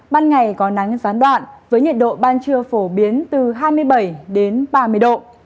ban ngày có nắng gián đoạn với nhiệt độ ban trưa phổ biến từ hai mươi bảy đến ba mươi độ